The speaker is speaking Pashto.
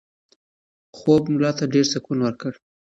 خوب ملا ته ډېر سکون ورکړ.